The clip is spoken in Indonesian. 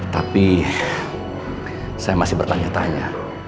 tapi saya masih bertanya tanya